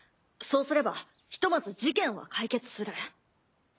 そうすればひとまず事件は解決する。